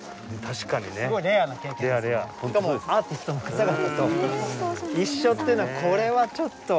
しかもアーティストの方々と一緒っていうのはこれはちょっと贅沢ですね。